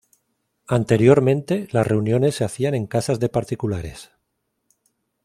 Anteriormente las reuniones se hacían en casas de particulares.